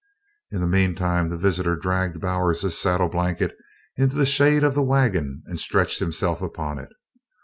In the meanwhile the visitor dragged Bowers's saddle blanket into the shade of the wagon and stretched himself upon it.